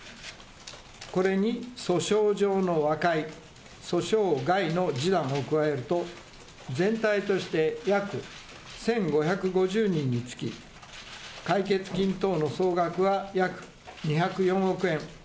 これに訴訟上の和解、訴訟外の示談を加えると、全体として約１５５０人につき、解決金等の総額は約２０４億円。